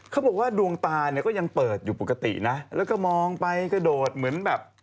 เขาบอกว่าดวงตาเนี่ยก็ยังเปิดอยู่ปกตินะแล้วก็มองไปกระโดดเหมือนแบบ